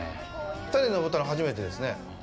２人で上ったの初めてですね。